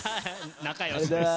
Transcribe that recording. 仲よしです。